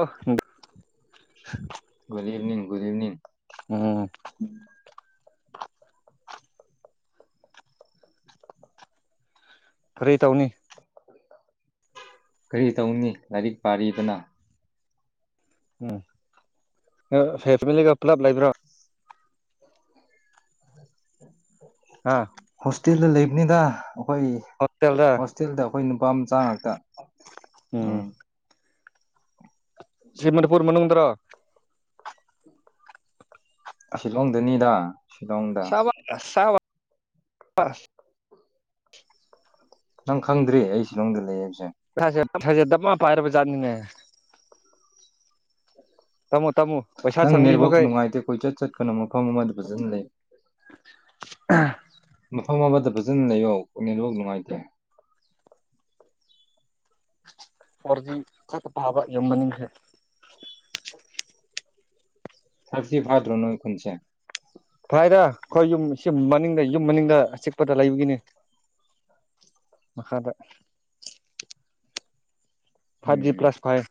ꯑꯥ [unintelligible] ꯒꯨꯨꯗ evening ꯎꯝ ꯐꯔꯤ ꯇꯧꯅꯤ ꯀꯔꯤ ꯇꯧꯅꯤ ꯂꯥꯏꯔꯤꯛ ꯄꯥꯔꯤꯗꯅ ꯎꯝ ꯅꯥ ꯐꯦ ꯐꯦꯃꯤꯂꯤꯒ ꯄꯨꯂꯞ ꯂꯩꯕ꯭ꯔꯣ ꯍꯦ ꯍꯥꯥ ꯇꯤꯜꯗ ꯂꯩꯕꯅꯤꯗ ꯑꯩꯈꯣꯏ ꯍꯣꯁꯇꯦꯜꯗ ꯑꯩꯈꯣꯏ ꯅꯨꯄꯥ ꯃꯆꯥ ꯉꯥꯛꯇ ꯎꯝ ꯁꯤ ꯃꯅꯤꯄꯨꯔ ꯃꯅꯨꯡꯗꯔꯣ ꯁꯤꯂꯣꯡꯗꯅꯤꯗ ꯁꯤꯂꯣꯡꯗ ꯁꯕꯥꯁ ꯁꯕꯥꯁ ꯕꯥꯁ ꯅꯪ ꯈꯪꯗ꯭ꯔꯤ ꯑꯩ ꯁꯤꯂꯣꯡꯗ ꯂꯩ ꯍꯥꯢꯕꯁꯦ ꯐꯖꯕ ꯐꯖꯗꯕꯥ ꯄꯥꯏꯔꯕ ꯖꯥꯠꯅꯤꯅꯦ ꯇꯝꯃꯣ ꯇꯝꯃꯣ ꯄꯩꯁꯥ ꯅꯪ ꯆꯪꯂꯤ ꯅꯦꯠꯋꯔ꯭ꯛ ꯃꯈꯩ ꯅꯨꯡꯉꯥꯏꯇꯦ ꯀꯣꯏꯆꯠ ꯆꯠꯀꯅꯨ ꯃꯐꯝ ꯑꯃꯗ ꯐꯖꯅ ꯂꯩꯌꯨ ꯑꯥ ꯃꯐꯝ ꯑꯃꯗ ꯐꯖꯅ ꯂꯩꯌꯣ ꯅꯦꯠꯋꯔ꯭ꯛ ꯅꯨꯡꯉꯥꯏꯇꯦ ꯐꯣꯔꯗꯤ ꯇꯔꯠꯇꯥ ꯄꯥꯕ ꯌꯥꯝ ꯃꯥꯅꯤꯡꯈ꯭ꯔꯦ ꯁꯛꯆꯤ ꯐꯗ꯭ꯔꯣ ꯅꯣꯏ ꯈꯨꯟꯁꯦ ꯐꯥꯏꯔ ꯑꯩꯈꯣꯏ ꯌꯨꯝ ꯁꯤ ꯃꯅꯤꯡꯗ ꯌꯨꯝ ꯃꯅꯤꯡꯗ ꯑꯥꯆꯤꯛꯄꯗ ꯂꯩꯕꯒꯤꯅꯦ ꯃꯈꯥꯗ ꯐꯥꯗꯤ ꯎꯝ ꯄ꯭ꯂꯁ ꯐꯥꯏꯌꯦ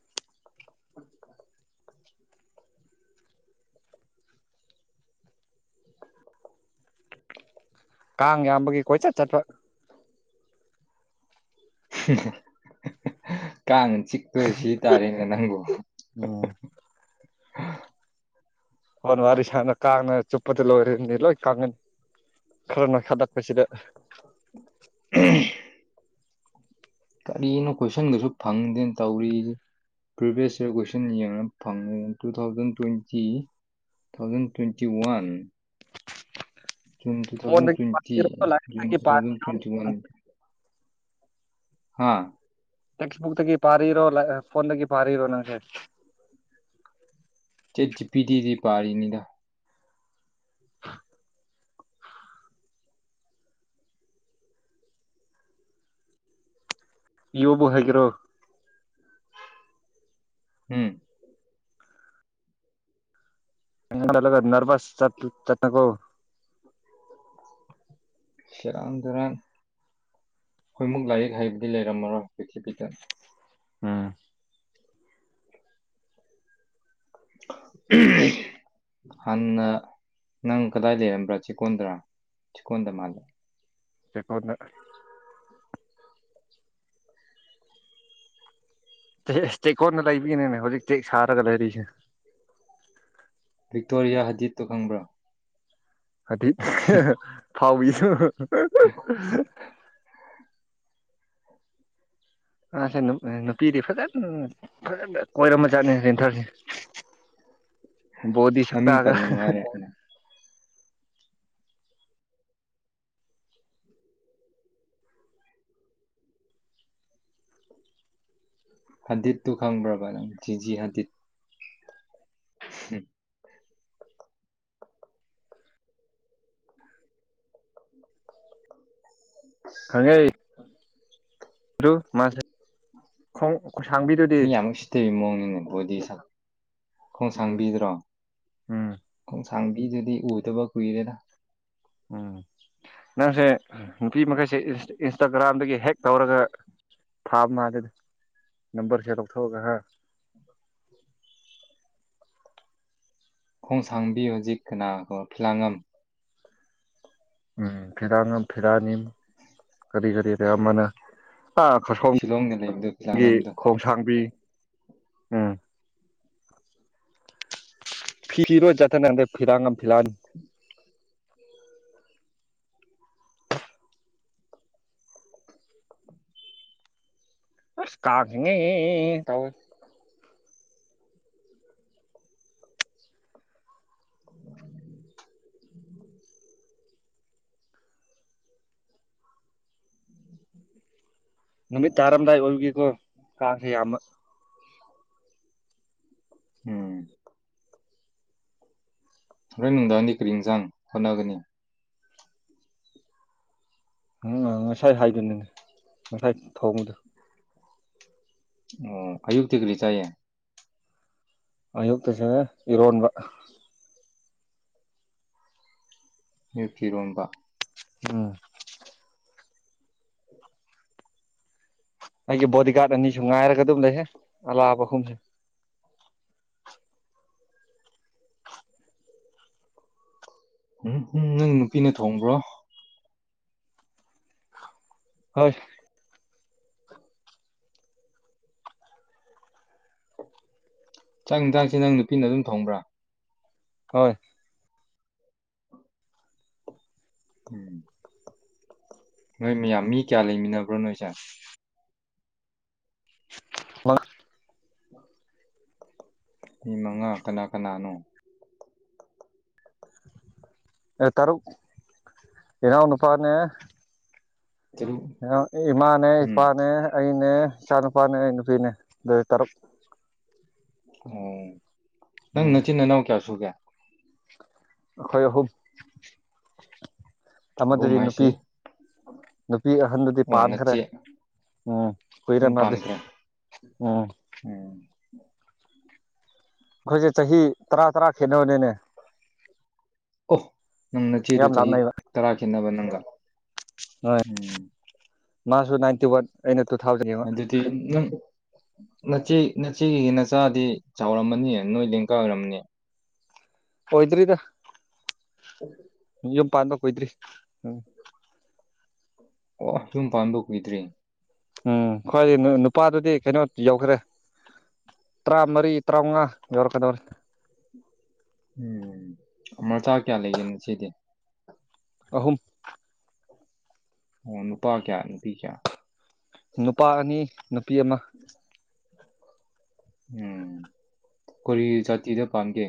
ꯀꯥꯡ ꯌꯥꯝꯕꯒꯤ ꯀꯣꯏꯆꯠ ꯆꯠꯄ [unintelligible] ꯀꯥꯡꯅ ꯆꯤꯛꯄꯗ ꯁꯤ ꯇꯥꯔꯦꯅꯦ ꯅꯪꯕꯨ ꯎꯝ ꯐꯣꯟ ꯋꯥꯔꯤ ꯁꯅꯥ ꯀꯥꯡꯅ ꯆꯨꯞꯄꯗ ꯂꯣꯏꯔꯅꯤ ꯂꯣꯏ ꯀꯪꯉꯥꯅꯤ ꯈꯔꯥ ꯅꯣꯢꯈꯠꯂꯛꯄꯁꯤꯗ ꯀꯔꯤꯅꯣ ꯀꯣꯏꯁꯟꯒꯖꯨ ꯐꯪꯗꯦ ꯇꯧꯔꯤꯁꯦ ꯄ꯭ꯔꯤꯚꯤꯌꯁ ꯌꯔ ꯀꯣꯏꯁꯟ ꯌꯦꯡꯉꯥ ꯐꯪꯉꯦ two thousand twenty two thousand twenty one June two thousand ꯐꯣꯟꯗꯒꯤ ꯇ꯭ꯋꯦꯟꯇꯤ ꯄꯥꯏꯔꯣ ꯖꯨꯟ ꯂꯥꯏꯔꯤꯛꯇꯒꯤ ꯇꯨ ꯄꯥꯏ ꯊꯥꯎꯖꯟ ꯇ꯭ꯋꯦꯟꯇꯤ ꯋꯥꯟ ꯍꯥꯥ ꯇꯦꯛꯁꯕꯨꯛꯇꯒꯤ ꯄꯥꯔꯤꯔꯣ ꯆꯦꯠꯖꯤꯄꯤꯇꯤꯗꯒꯤ ꯄꯥꯔꯤꯅꯤꯗ ꯌꯨꯕꯨ ꯍꯩꯒꯦꯔꯣ ꯎꯝ ꯑꯩꯅ ꯆꯠꯂꯒ ꯅꯔꯚ꯭ꯁ ꯆꯠ ꯆꯠꯅꯀꯣ ꯁꯦꯔꯥꯟ ꯇꯨꯔꯥꯟ ꯈꯣꯏꯃꯨꯛ ꯂꯥꯏꯔꯤꯛ ꯍꯩꯕꯗꯤ ꯂꯩꯔꯝꯃꯔꯣꯏ ꯄ꯭ꯔꯤꯊꯤꯕꯤꯗ ꯎꯝ ꯍꯥꯟꯅ ꯅꯪ ꯀꯗꯥꯏ ꯂꯩꯔꯝꯕ꯭ꯔꯥ ꯆꯦꯛꯀꯣꯟꯗꯔꯥ ꯆꯦꯛꯀꯣꯟꯗ ꯃꯥꯜꯂꯦ ꯆꯦꯛꯀꯣꯟꯗ ꯆꯦꯛꯀꯣꯟꯅ ꯂꯩꯕꯒꯤꯅꯤꯅꯦ ꯍꯧꯖꯤꯛ ꯆꯦꯛ ꯁꯥꯔꯒ ꯂꯩꯔꯤꯁꯦ ꯕꯤꯛꯇꯣꯔꯤꯌꯥ ꯍꯖꯤꯠꯇꯣ ꯈꯪꯕ꯭ꯔꯥ ꯍꯥꯏꯗꯤ ꯍꯥꯎꯏ [inaudible] ꯑꯥ ꯍꯟ ꯅꯨꯄꯤꯗꯤ ꯐꯖꯅ ꯎꯪ ꯐꯖꯅ ꯀꯣꯏꯔꯝꯕ ꯖꯥꯠꯅꯤ ꯇꯊꯔꯁꯦ ꯕꯣꯗꯤ ꯃꯃꯤꯡ ꯁꯛꯇꯥꯒ ꯄꯟꯒꯅꯨ ꯍꯥꯏꯔꯦ ꯑꯩꯅ ꯍꯟꯗꯤꯠ ꯇꯨ ꯈꯡꯕ꯭ꯔꯕ ꯚꯥꯏ ꯖꯤꯖꯤ ꯍꯟꯗꯤꯠ ꯍꯨꯝ ꯈꯪꯉꯦ ꯑꯗꯨ ꯃꯥꯁꯦ ꯈꯣꯡ ꯈꯨꯁꯥꯡꯕꯤꯗꯨꯗꯤ ꯃꯤ ꯌꯥꯝ ꯎꯁꯤꯠꯇꯕ ꯃꯑꯣꯡꯅꯤꯅꯦ ꯕꯣꯗꯤ ꯎꯝ ꯈꯣꯡꯁꯥꯡꯕꯤꯗꯨꯔꯣ ꯎꯝ ꯁꯥꯡꯕꯤꯗꯨꯗꯤ ꯎꯗꯕ ꯀꯨꯏꯔꯦꯗ ꯎꯝ ꯅꯪꯁꯦ ꯅꯨꯄꯤ ꯃꯈꯩꯁꯦ ꯏꯟꯁꯇꯥꯒ꯭ꯔꯥꯝꯗꯒꯤ ꯍꯦꯛ ꯇꯧꯔꯒ ꯊꯥ ꯃꯥꯗ ꯅꯝꯕꯔꯁꯦ ꯂꯧꯊꯣꯛꯑꯒ ꯍꯥ ꯈꯣꯡꯁꯥꯡꯕꯤ ꯍꯧꯖꯤꯛ ꯀꯅꯥꯒ ꯐꯤꯂꯥꯡꯉꯝ ꯎꯝ ꯐꯤꯔꯥꯉꯝ ꯐꯤꯔꯥꯅꯤꯝ ꯀꯔꯤ ꯀꯔꯤ ꯀ ꯑꯃꯅ ꯂꯩꯕꯗꯣ ꯀꯤꯂꯥ ꯈꯁꯣꯝꯒꯤ ꯉꯝꯗꯣ ꯈꯣꯡꯁꯥꯡꯕꯤ ꯎꯝ [unintelligible] ꯐꯤꯂꯥꯟ ꯑꯁ ꯀꯥꯡ ꯉꯦ ꯉꯦ ꯇꯧꯑꯦ ꯅꯨꯃꯤꯠ ꯇꯥꯔꯝꯗꯥꯏ ꯑꯣꯏꯕꯒꯤꯀꯣ ꯀꯥꯡꯁꯦ ꯌꯥꯝꯕ ꯎꯝ ꯍꯣꯔꯦꯟ ꯅꯨꯡꯗꯥꯡꯅꯤ ꯀꯔꯤ ꯌꯦꯟꯁꯥꯡ ꯍꯣꯠꯅꯒꯅꯤ ꯎꯝ ꯉꯁꯥꯏ ꯍꯥꯏꯗꯨꯅꯦ ꯉꯁꯥꯏ ꯊꯣꯡꯕꯗꯣ ꯑꯣ ꯑꯌꯨꯛꯇꯒꯤꯗꯤ ꯆꯥꯏꯌꯦ ꯑꯌꯨꯛꯀꯤꯁꯦ ꯏꯔꯣꯟꯕ ꯅꯨꯇꯤ ꯏꯔꯣꯝꯕ ꯎꯝ ꯑꯩꯒꯤ ꯕꯣꯗꯤꯒꯥꯔꯗ ꯑꯅꯤꯁꯨ ꯉꯥꯏꯔꯒ ꯑꯗꯨꯝ ꯂꯩꯍꯦ ꯅꯂꯥ ꯃꯈꯣꯡꯁꯦ ꯎꯝ ꯎꯝ ꯅꯪ ꯅꯨꯄꯤꯅ ꯊꯣꯡꯕ꯭ꯔꯣ ꯍꯣꯏ ꯆꯥꯛ ꯏꯟꯁꯥꯡꯁꯤ ꯅꯪ ꯅꯨꯄꯤꯅ ꯑꯗꯨꯝ ꯊꯣꯡꯕ꯭ꯔꯥ ꯍꯣꯏ ꯎꯝ ꯅꯣꯏ ꯃꯌꯥꯝ ꯃꯤ ꯀꯌꯥ ꯂꯩꯃꯤꯟꯅꯕ꯭ꯔꯣ ꯅꯣꯏꯁꯦ ꯋꯥ ꯃꯤ ꯃꯉꯥ ꯀꯅꯥ ꯀꯅꯥꯅꯣ ꯑꯦ ꯇꯔꯨꯛ ꯏꯅꯥꯎ ꯅꯨꯄꯥꯅꯦ ꯇꯔꯨꯛ ꯉꯥꯔꯥꯡ ꯏꯃꯥꯅꯦ ꯎꯝ ꯏꯄꯥꯅꯦ ꯑꯩꯅꯦ ꯅꯦ ꯏꯆꯥꯅꯨꯄꯥꯅꯦ ꯏꯩꯅꯨꯄꯤꯅꯦ ꯇꯔꯨꯛ ꯑꯣ ꯅꯪ ꯎꯝ ꯅꯆꯤꯟ ꯅꯅꯥꯎ ꯀꯌꯥ ꯁꯨꯒꯦ ꯑꯩꯈꯣꯏ ꯑꯍꯨꯝ ꯑꯃꯥꯗꯨꯗꯤ ꯑꯍꯨꯝ ꯅꯨꯄꯤ ꯍꯥꯏꯁꯤ ꯅꯨꯄꯤ ꯑꯍꯟꯗꯨꯗꯤ ꯑꯣ ꯄꯥꯟꯈ꯭ꯔꯦ ꯅꯆꯦ ꯎꯝ ꯀꯨꯏꯔꯦ ꯌꯨꯝ ꯃꯥꯗꯤ ꯄꯥꯟꯈ꯭ꯔꯦ ꯎꯝ ꯑꯣ ꯑꯩꯈꯣꯏꯁꯦ ꯆꯍꯤ ꯇꯔꯥ ꯇꯔꯥ ꯈꯦꯠꯅꯕꯅꯦꯅꯦ ꯑꯣ ꯅꯪꯅꯆꯦꯗꯨ ꯆꯍꯤ ꯇꯔꯥ ꯈꯦꯠꯅꯕ ꯅꯪ ꯇꯥ ꯍꯣꯏ ꯃꯥꯁꯨ ꯅꯥꯏꯟꯇꯤ ꯋꯥꯟ ꯑꯩꯅ ꯇꯨ ꯊꯥꯎꯖꯟꯅꯦꯕ ꯑꯗꯨꯗꯤ ꯅꯪ ꯅꯆꯦ ꯅꯆꯦꯒꯤ ꯅꯆꯥꯗꯤ ꯆꯥꯎꯔꯝꯃꯅꯤ ꯅꯣꯏ ꯂꯦꯡꯒꯑꯣꯏꯔꯝꯃꯥꯅꯤ ꯑꯣꯏꯗ꯭ꯔꯤꯗ ꯎꯝ ꯌꯨꯝ ꯄꯥꯟꯕ ꯀꯨꯏꯗ꯭ꯔꯤ ꯎꯝ ꯑꯣ ꯌꯨꯝ ꯄꯥꯟꯕ ꯀꯨꯢꯗ꯭ꯔꯤ ꯎꯝ ꯈ꯭ꯣꯏꯗꯤ ꯅꯨꯄꯥꯗꯨꯗꯤ ꯀꯩꯅꯣ ꯌꯧꯈ꯭ꯔꯦ ꯇꯔꯥꯃꯔꯤ ꯇꯔꯥꯃꯉꯥ ꯌꯧꯔꯛꯀꯗꯧꯔꯦ ꯎꯝ ꯃꯆꯥ ꯀꯌꯥ ꯂꯩꯒꯦ ꯅꯆꯦꯗꯤ ꯑꯍꯨꯝ ꯑꯣ ꯅꯨꯄꯥ ꯀꯌꯥ ꯅꯨꯄꯤ ꯀꯌꯥ ꯅꯨꯄꯥ ꯑꯅꯤ ꯅꯨꯄꯤ ꯑꯃꯥ ꯎꯝ ꯀꯔꯤ ꯖꯥꯇꯤꯗ ꯄꯥꯟꯒꯦ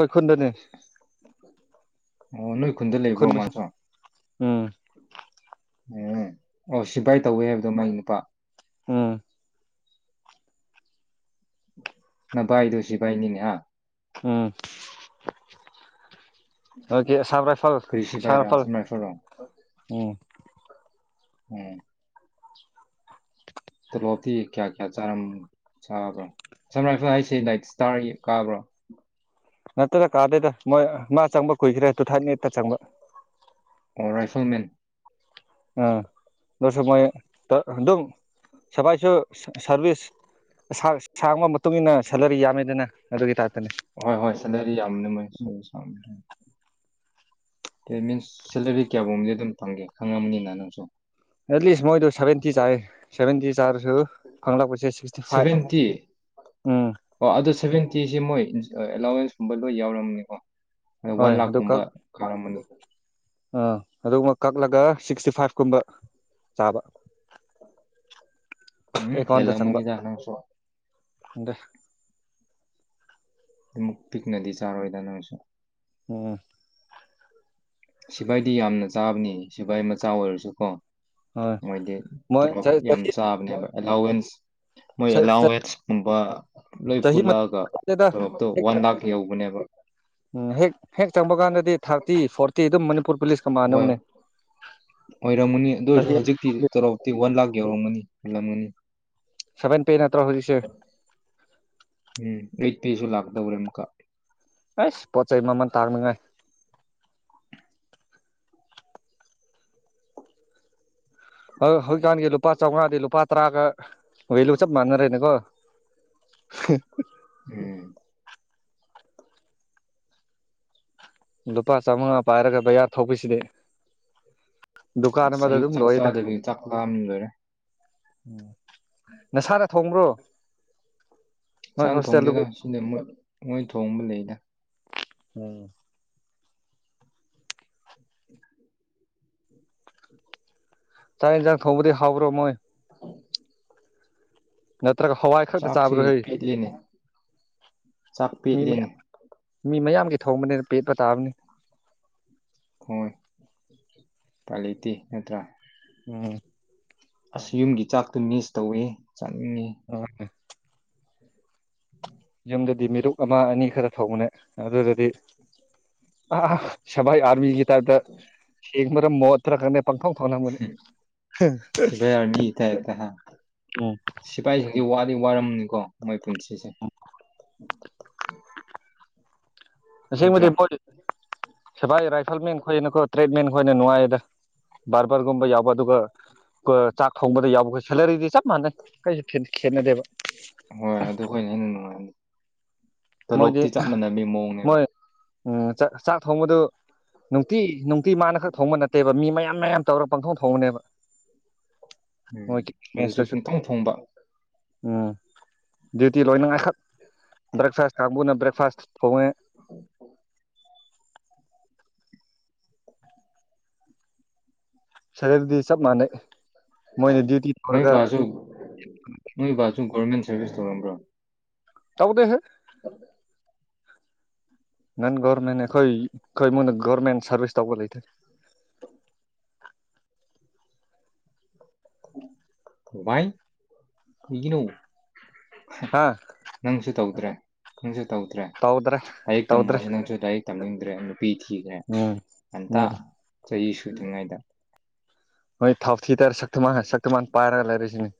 ꯈꯣꯏꯈꯨꯟꯗꯅꯦ ꯑꯣ ꯅꯣꯏ ꯈꯨꯟꯗ ꯂꯩꯕ꯭ꯔꯣ ꯃꯥꯁꯨ ꯎꯝ ꯎꯝ ꯑꯣ ꯁꯤꯐꯥꯏ ꯇꯧꯋꯦ ꯍꯥꯏꯕꯗꯣ ꯃꯒꯤ ꯅꯨꯄꯥ ꯎꯝ ꯅꯥ ꯚꯥꯏꯗꯨ ꯁꯤꯚꯥꯏꯅꯤꯅꯦ ꯍꯥ ꯎꯝ ꯑꯣꯀꯦ ꯁꯥꯕ꯭ꯔꯠ ꯐꯣ ꯀꯔꯤ ꯁꯥ ꯁꯤꯕꯥꯏꯔꯥ ꯍꯥꯞꯍꯜ ꯁꯝ ꯔꯥꯏꯐꯜꯔꯣ ꯎꯝ ꯎꯝ ꯇꯣꯂꯣꯞꯇꯤ ꯀꯌꯥ ꯀꯌꯥ ꯆꯥꯔꯝ ꯆꯥꯕ꯭ꯔꯥ [unintelligible] ꯂꯥꯢꯛ ꯁꯇꯥꯔ ꯌꯦꯛ ꯀꯥꯕ꯭ꯔꯣ ꯅꯠꯇꯦꯗ ꯀꯥꯗꯦꯗ ꯃꯣꯏ ꯃꯥ ꯆꯪꯕ ꯀꯨꯏꯈ꯭ꯔꯦ ꯇꯨ ꯊꯥꯏꯅꯦꯠꯇ ꯆꯪꯕ ꯑꯣ ꯔꯥꯏꯐꯜ ꯃꯦꯟ ꯑꯥ ꯑꯗꯨꯁꯨ ꯃꯣꯏ ꯑꯗꯨꯝ ꯁꯥꯚꯥꯏꯁꯨ ꯁꯥꯔ ꯁꯥꯔꯚꯤꯁ ꯁꯥꯡ ꯁꯥꯡꯕ ꯃꯇꯨꯡꯏꯟꯅ ꯁꯦꯂꯂꯔꯤ ꯌꯥꯝꯃꯦꯗꯅ ꯑꯗꯨꯒꯤ ꯇꯥꯏꯞꯇꯅꯦ ꯍꯣꯏ ꯍꯣꯏ ꯁꯦꯜꯂꯔꯤ ꯌꯥꯝꯅꯤ ꯃꯣꯏꯁꯨ ꯁꯥꯝ ꯇꯦ ꯃꯤꯟꯁ ꯁꯦꯜꯂꯔꯤ ꯀꯌꯥꯒꯨꯝꯕꯗꯤ ꯑꯗꯨꯝ ꯐꯪꯒꯦ ꯈꯪꯉꯝꯅꯤꯅ ꯅꯪꯁꯨ ꯑꯦꯠ ꯂꯤꯁ ꯃꯣꯏꯗꯨꯁ ꯁꯚꯦꯟꯇꯤ ꯆꯥꯢ ꯁꯚꯦꯟꯇꯤ ꯆꯥꯡ ꯐꯪꯂꯛꯄꯁꯦ ꯁꯤꯛꯁꯇꯤ ꯁꯚꯦꯟꯇꯤ ꯐꯥꯏꯚ ꯎꯝ ꯑꯣ ꯁꯨꯝꯕ ꯂꯣꯏ ꯌꯥꯎꯔꯝꯅꯤꯀꯣ ꯑ ꯋꯥꯟ ꯍꯣꯏ ꯑꯗꯨ ꯂꯥꯛꯀꯨꯝꯕ ꯀꯛ ꯀꯥꯔꯝꯕꯅꯤ ꯑꯥ ꯑꯗꯨꯒꯨꯝꯕ ꯀꯛꯂꯒ ꯁꯤꯛꯁꯇꯤ ꯐꯥꯏꯚ ꯀꯨꯝꯕ ꯁꯥꯕ ꯎꯝ ꯍꯦꯜꯂꯝ ꯃꯅꯤꯗ ꯅꯁꯨ ꯍꯪꯗꯦ ꯑꯗꯨꯛ ꯄꯤꯛꯅꯗꯤ ꯆꯥꯔꯣꯏꯗ ꯅꯪꯁꯨ ꯎꯝ ꯁꯤꯐꯥꯏꯗꯤ ꯌꯥꯝꯅ ꯆꯥꯕꯅꯤ ꯁꯤꯐꯥꯏ ꯃꯆꯥ ꯑꯣꯏꯔꯁꯨ ꯀꯣ ꯍꯣꯏ ꯃꯣꯏꯗꯤ ꯃꯣꯏ ꯇꯣꯂꯣꯞ ꯌꯥꯝ ꯆꯥꯕꯅꯦꯕ ꯑꯦꯂꯥꯎꯋꯦꯟꯁ [inaudible] ꯃꯣꯏ ꯑꯦꯂꯥꯎꯋꯦꯟꯁꯀꯨꯝꯕ ꯂꯣꯏ ꯆꯍꯤ ꯄꯨꯜꯂꯛꯑꯒ ꯃꯇꯨꯡꯗ ꯊꯕꯛꯇꯣ ꯋꯥꯟ ꯂꯥꯛꯈ ꯌꯧꯕꯅꯦꯕ ꯎꯝ ꯍꯦꯛ ꯍꯦꯛ ꯆꯪꯕ ꯀꯥꯟꯗ ꯊꯥꯔꯇꯤ ꯐꯣꯔꯇꯤ ꯑꯗꯨꯝ ꯃꯅꯤꯄꯨꯔ ꯄꯨꯂꯤꯁ ꯀ ꯍꯣꯏ ꯃꯥꯟꯅꯕꯅꯦ ꯑꯣꯏꯔꯝꯒꯅꯤ ꯆꯍꯤ ꯌꯎꯔꯝꯃꯅꯤ ꯍꯦꯜꯂꯂꯝ ꯃꯅꯤ ꯁꯕꯦꯟ ꯄꯦ ꯄꯠꯇ꯭ꯔꯖꯤꯁꯦ [unintelligible] ꯑꯩꯇ ꯄꯦꯁꯨ ꯂꯥꯛꯇꯧꯔꯦ ꯑꯃꯨꯛꯀ ꯑꯁ ꯄꯣꯠ ꯆꯩꯩ ꯃꯃꯜ ꯇꯥꯡꯅꯉꯥꯏ ꯍ ꯍꯧꯖꯤꯛꯀꯥꯟꯒꯤ ꯂꯨꯄꯥ ꯆꯥꯝꯃꯉꯥꯗꯤ ꯂꯨꯄꯥ ꯇꯔꯥꯒ ꯍꯣꯢ ꯆꯞ ꯃꯥꯟꯅꯔꯦꯅꯦ ꯀꯣ ꯍꯦ ꯎꯝ ꯂꯨꯄꯥ ꯆꯥꯃꯉꯥ ꯄꯥꯏꯔꯒ ꯕꯌꯥꯥꯔ ꯊꯣꯛꯄꯤꯁꯤꯗꯤ ꯑꯁ ꯑꯌꯨꯛ ꯆꯥꯛꯂ ꯆꯗꯕꯩ ꯆꯥꯛ ꯂꯥꯝ ꯂꯣꯏꯔꯦ ꯎꯝ ꯅꯁꯥꯅ ꯊꯣꯡꯕ꯭ꯔꯣ ꯅꯣꯏ ꯏꯁꯥꯟꯅ ꯍꯣꯁꯇꯦꯜꯗꯨꯕꯨ ꯊꯣꯡꯗꯧꯗ ꯁꯤꯗ ꯃꯣꯢ ꯃꯣꯏ ꯊꯣꯡꯕ ꯂꯩꯗ ꯎꯝ ꯎ [inaudible] ꯆꯥꯛ ꯌꯦꯟꯖꯥꯡ ꯊꯣꯡꯕꯗꯤ ꯍꯥꯎꯕ꯭ꯔꯣ ꯃꯣꯏ [inaudible] ꯅꯠ ꯅꯠꯇ꯭ꯔꯒ ꯍꯋꯥꯏ ꯈꯛꯗ ꯆꯥꯛꯁꯤ ꯆꯥꯕ꯭ꯔ ꯍꯩ ꯄꯦꯠꯂꯤꯅꯦ ꯆꯥꯛ ꯃꯤ ꯄꯦꯠꯂꯤꯅꯦ ꯃꯌꯥꯝ ꯃꯤ ꯃꯌꯥꯝꯒꯤ ꯊꯣꯡꯕꯅꯤꯅ ꯄꯦꯛꯄ ꯇꯥꯕꯅꯤ ꯍꯣꯏ ꯎꯄꯥꯢ ꯂꯩꯇꯦ ꯅꯠꯇ꯭ꯔꯥ ꯎꯝ ꯑꯁ ꯌꯨꯝꯒꯤ ꯆꯥꯛꯇꯣ ꯃꯤꯁ ꯇꯧꯏ ꯍꯦ ꯆꯥꯅꯤꯡꯉꯦ ꯎꯝ ꯌꯨꯝꯗꯗꯤ ꯃꯤꯔꯨꯞ ꯑꯃ ꯑꯅꯤ ꯈꯔ ꯊꯣꯡꯕꯅꯦ ꯑꯗꯨꯗꯗꯤ ꯑ ꯁꯕꯥꯏ ꯑꯥꯔꯃꯤꯒꯤ ꯇꯥꯏꯞꯇ ꯍꯦꯛ ꯃꯔꯝ ꯃꯣꯠꯇ꯭ꯔꯒꯅꯦ ꯄꯪꯊꯣꯡ ꯊꯣꯡꯂꯝꯒꯅꯦ ꯁꯤꯐꯥꯏ ꯑꯥꯔꯃꯤꯒꯤ ꯇꯥꯏꯞꯇ ꯍꯥ ꯎꯝ ꯁꯤꯐꯥꯏꯁꯤꯡꯁꯦ ꯋꯥꯗꯤ ꯋꯥꯔꯝꯅꯤꯀꯣ ꯃꯣꯏ ꯁꯤꯁꯦ ꯑꯁꯦꯡꯕꯗꯤ ꯅꯠꯇ꯭ꯔꯥ ꯄꯣꯇꯤ ꯁꯚꯥꯏ ꯔꯥꯏꯐꯦꯜꯃꯦꯟ ꯈꯣꯢꯅ ꯀꯣ ꯇ꯭ꯔꯦꯠꯃꯦꯟ ꯈꯣꯢꯅ ꯅꯨꯡꯉꯥꯏꯗ ꯒꯨꯝꯕ ꯌꯥꯎꯕ ꯑꯗꯨꯒ ꯆꯥꯛ ꯊꯣꯡꯕꯗ ꯌꯥꯎꯕ ꯁꯦꯂꯔꯤꯗꯤ ꯆꯞ ꯃꯥꯟꯅꯩ ꯀꯩꯁꯨ ꯈꯦꯅꯗꯦꯕ ꯍꯣꯏ ꯑꯗꯨ ꯈꯣꯏꯅ ꯍꯦꯟꯅ ꯅꯨꯡꯉꯥꯏꯅꯤ ꯃꯣꯏꯗꯤ ꯇꯣꯂꯣꯞꯇꯤ ꯆꯞ ꯃꯥꯟꯅꯕꯒꯤ ꯃꯑꯣꯡꯅꯦꯕ ꯃꯣꯏ ꯎꯝ ꯆꯥꯛ ꯊꯣꯡꯕꯗꯨ ꯅꯨꯡꯇꯤ ꯅꯨꯡꯇꯤ ꯃꯥꯅ ꯈꯛ ꯊꯣꯡꯕ ꯅꯠꯇꯦꯕ ꯃꯤ ꯃꯌꯥ ꯃꯌꯥꯝ ꯃꯌꯥꯝ ꯇꯧꯔ ꯄꯡꯊꯣꯡ ꯊꯣꯡꯕꯅꯦꯕ ꯎꯝ ꯃꯣꯏꯒꯤ ꯑꯗꯨꯁꯨ ꯃꯦꯁꯇꯁꯨ ꯄꯨꯡꯊꯣꯡ ꯊꯣꯡꯕ ꯎꯝ ꯗꯨꯗꯤ ꯂꯣꯏꯅꯤꯉꯥꯏꯈꯛ ꯕ꯭ꯔꯦꯛꯐꯥꯥꯁ ꯀꯥꯡꯕꯨꯅ ꯕ꯭ꯔꯦꯛꯐꯥꯥꯁ ꯊꯣꯡꯉꯦ ꯁꯦꯂꯦꯔꯦꯗꯤ ꯆꯞ ꯃꯥꯟꯅꯩ ꯃꯣꯏꯅ ꯗ꯭ꯌꯨꯇꯤ ꯅꯣꯏ ꯇꯧꯔꯒ ꯕꯥꯁꯨ ꯁꯥꯔꯕꯤꯁ ꯇꯣꯔꯝꯕ꯭ꯔꯥ ꯇꯧꯗꯦ ꯍꯦ [inaudible] ꯅꯟ ꯒꯣꯔꯃꯦꯟ ꯑꯩꯈꯣꯏ ꯏꯃꯨꯡ ꯒꯣꯔꯃꯦꯟ ꯁꯔꯚꯤꯁ ꯇꯧꯕ ꯂꯩꯇꯦ [unintelligible] ꯊꯨꯡꯚꯥꯏ ꯀꯩꯒꯤꯅꯣ ꯍꯥ ꯅꯪꯁꯨ ꯇꯧꯗ꯭ꯔꯦ ꯀꯪꯖꯤꯠ ꯇꯧꯗ꯭ꯔꯦ ꯇꯧꯗ꯭ꯔꯦ ꯂꯥꯢꯔꯤꯛ ꯇꯧꯗ꯭ꯔꯦ ꯇꯝꯃꯣꯁꯨ ꯅꯪꯁꯨ ꯂꯥꯢꯔꯤꯛ ꯇꯝꯅꯤꯡꯗ꯭ꯔꯦ ꯄꯤ ꯊꯤꯈ꯭ꯔꯦ ꯎꯝ ꯉꯟꯇꯥ ꯎꯝ ꯆꯍꯤ ꯁꯨꯗ꯭ꯔꯤꯉꯩꯗ ꯍꯣꯏ ꯊꯥꯎ ꯊꯤ ꯇꯔ ꯁꯛꯇ ꯁꯛꯇꯃ ꯄꯥꯏꯔꯒ ꯂꯩꯔꯤꯁꯤꯅꯦ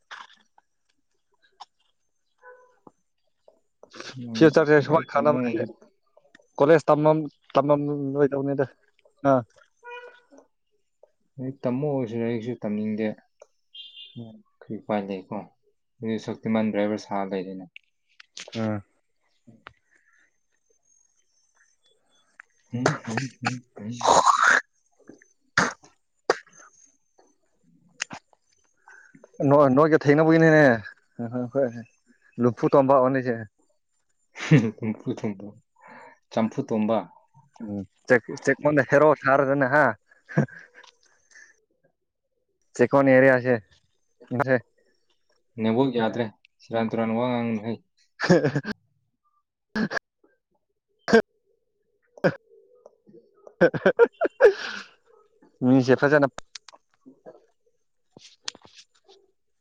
ꯎꯝ ꯂꯥꯢꯔꯤꯛ ꯇꯝꯃꯣ ꯀꯂꯦꯖ ꯇꯃꯝ ꯇꯝꯃꯝꯂꯣꯏꯗꯧꯅꯤꯗ ꯑꯥ ꯍꯣꯢ ꯇꯝꯃꯣ ꯑꯣꯁꯤꯅꯦ ꯑꯩꯁꯨ ꯇꯝꯅꯤꯡꯗꯦ ꯎꯝ ꯈꯣꯢ ꯄꯥꯂꯦ ꯑꯣ ꯑꯩꯗꯤ ꯁꯛꯇꯤꯃꯥꯟ ꯗ꯭ꯔꯥꯏꯚꯔ ꯁꯥ ꯂꯩꯔꯤꯅꯦ ꯑꯥ ꯑꯝ ꯍꯝ ꯢ ꯑꯪ [inaudible] ꯍ ꯍꯣ ꯍꯣꯏ ꯂꯨꯝꯐꯨ ꯇꯣꯝꯕꯥꯑꯣꯅꯤꯁꯦ ꯍꯨꯝ ꯍꯨꯝ ꯍꯨꯝ ꯊꯨꯝꯐꯨ ꯊꯨꯝꯐꯨ ꯆꯝꯐꯨ ꯇꯣꯝꯕ ꯎꯝ ꯆꯠ ꯆꯠꯃꯅ ꯍꯦꯔꯣ ꯁꯥꯔꯒꯅꯦ ꯍꯥ ꯆꯦꯛꯀꯣꯟ ꯑꯦꯔꯤꯌꯥꯁꯦ ꯁꯤꯁꯦ ꯅꯦꯠ ꯋꯥꯛ ꯌꯥꯗ꯭ꯔꯦ ꯁꯦꯔꯥꯟ ꯇꯨꯔꯥꯟ ꯋꯥ ꯉꯥꯡꯒꯅꯨ ꯍꯩ ꯍꯥ ꯍꯥ ꯑ [unintelligible] ꯍꯥ ꯍꯥ ꯍꯥ ꯃꯤꯁꯤ ꯐꯖꯅ [inaudible] [inaudible]